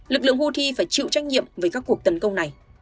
lực lượng houthi phải chịu trách nhiệm về các cuộc tấn công này